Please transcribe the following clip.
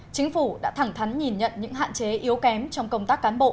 chính phủ đã thẳng thắn nhìn nhận những hạn chế yếu kém trong công tác cán bộ